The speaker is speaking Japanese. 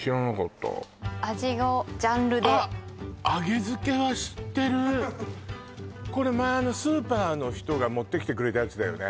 味をジャンルであっあげづけは知ってるこれ前スーパーの人が持ってきてくれたやつだよね